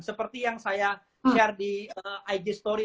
seperti yang saya share di ig story